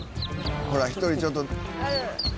ほら１人ちょっと。